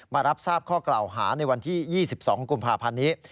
รับทราบข้อกล่าวหาในวันที่๒๒กุมภาพันธ์นี้